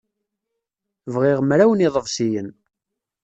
Bɣiɣ mraw n yiḍebsiyen.